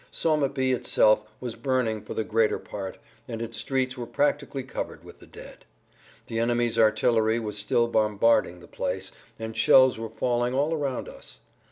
Sommepy itself was burning for the greater part, and its streets were practically covered with the dead. The enemy's artillery was still bombarding the place, and shells were falling all around us.